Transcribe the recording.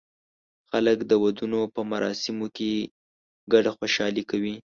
خلک د ودونو په مراسمو کې ګډه خوشالي کوي.